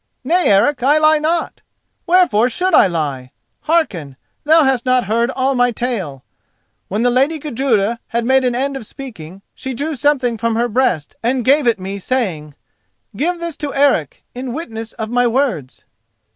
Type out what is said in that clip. "Nay, Eric, I lie not. Wherefore should I lie? Hearken: thou hast not heard all my tale. When the lady Gudruda had made an end of speaking she drew something from her breast and gave it me, saying: 'Give this to Eric, in witness of my words.